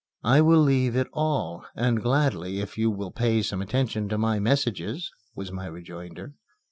"I will leave it all, and gladly, if you will pay some attention to my messages," was my rejoinder.